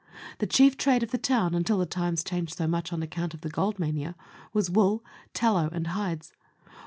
The chief trade of the town until the times changed so much on account of the gold mania was wool, tallow, and hides.